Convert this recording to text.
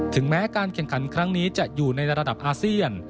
แม้การแข่งขันครั้งนี้จะอยู่ในระดับอาเซียน